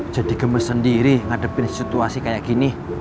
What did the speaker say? jadi gemes sendiri ngadepin situasi kayak gini